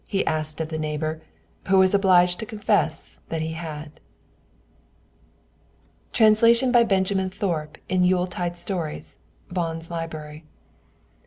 asked he of the neighbor, who was obliged to confess that he had. Translation by Benjamin Thorpe in 'Yule Tide Stories' (Bonn's Library).